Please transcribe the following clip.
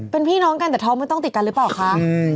เป็นพี่น้องกันแต่ท้องไม่ต้องติดกันหรือเปล่าคะ